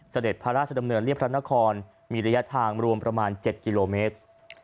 เสด็จพระราชดำเนินเรียบพระนครมีระยะทางรวมประมาณ๗กิโลเมตร